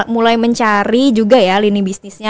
mulai mencari juga ya lini bisnisnya